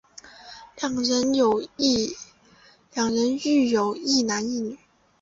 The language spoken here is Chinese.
两人育有一男一女。